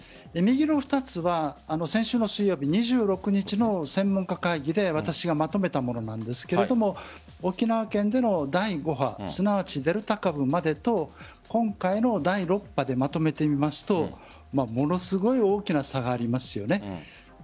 右の２つは先週の水曜日、２６日の専門家会議で私がまとめたものなんですが沖縄県での第５波すなわちデルタ株までと今回の第６波でまとめてみますとものすごい大きな差がありますよね。